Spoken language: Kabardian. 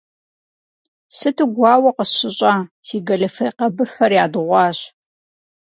Сыту гуауэ къысщыщӏа, си гэлифе къэбыфэр ядыгъуащ.